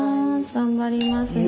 頑張りますよ。